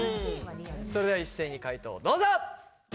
それでは一斉に解答をどうぞ！